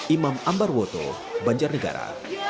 imam ambar woto banjarnegara